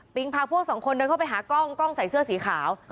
ภิ้งพาพวกสองคนเข้าไปหากล้องเสื้อสีขาว